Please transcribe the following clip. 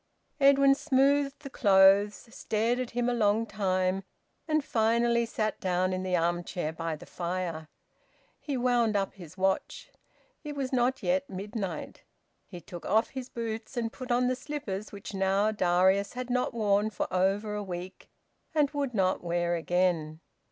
Edwin smoothed the clothes, stared at him a long time, and finally sat down in the arm chair by the fire. He wound up his watch. It was not yet midnight. He took off his boots and put on the slippers which now Darius had not worn for over a week and would not wear again.